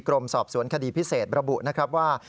กรมสอบสวนคดีพิเศษระบุนะครับว่า